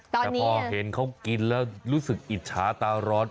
แต่พอเห็นเขากินแล้วรู้สึกอิจฉาตาร้อน